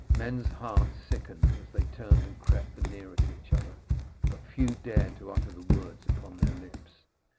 Men's hearts sickened as they turned and crept the nearer to each other, but few dared to utter the words upon their lips.